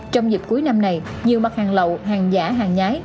trong dịp cuối năm này nhiều mặt hàng lậu hàng giả hàng nhái